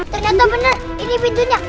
ternyata bener ini pintunya